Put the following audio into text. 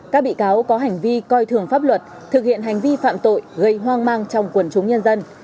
các bị cáo có hành vi coi thường pháp luật thực hiện hành vi phạm tội gây hoang mang trong quần chúng nhân dân